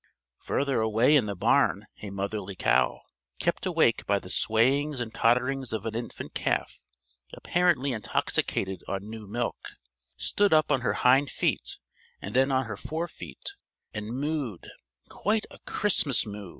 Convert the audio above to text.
Further away in the barn a motherly cow, kept awake by the swayings and totterings of an infant calf apparently intoxicated on new milk, stood up on her hind feet and then on her fore feet and mooed quite a Christmas moo!